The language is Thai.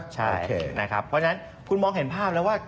ใช่นะครับเพราะฉะนั้นคุณมองเห็นภาพแล้วว่า